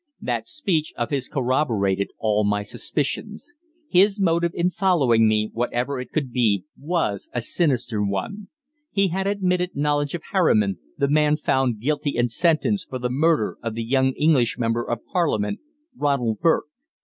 That speech of his corroborated all my suspicions. His motive in following me, whatever it could be, was a sinister one. He had admitted knowledge of Harriman, the man found guilty and sentenced for the murder of the young English member of Parliament, Ronald Burke.